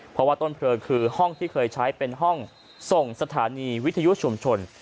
เพราะว่าต้นเพลิงคือห้องที่เคยใช้เป็นห้องส่งสถานีวิทยุชุมชน